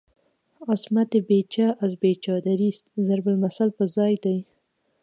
"عصمت بی چه از بی چادریست" ضرب المثل پر ځای دی.